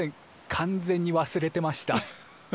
完全に忘れてましたフフフ。